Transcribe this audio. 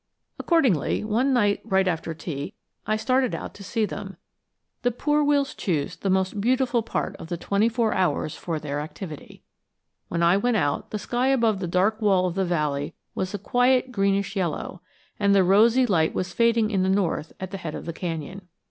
Accordingly, one night right after tea I started out to see them. The poor wills choose the most beautiful part of the twenty four hours for their activity. When I went out, the sky above the dark wall of the valley was a quiet greenish yellow, and the rosy light was fading in the north at the head of the canyon.